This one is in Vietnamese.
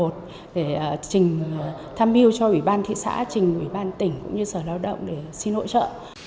để tham hiu cho ủy ban thị xã ủy ban tỉnh cũng như sở lao động để xin hỗ trợ